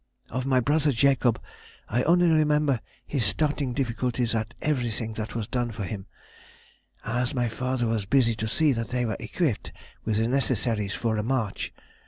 Of my brother Jacob I only remember his starting difficulties at everything that was done for him, as my father was busy to see that they were equipped with the necessaries for a march....